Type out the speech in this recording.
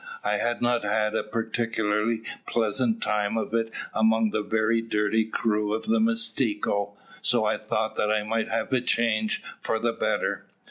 I had not had a particularly pleasant time of it among the very dirty crew of the Mistico, so I thought that I might have changed for the better.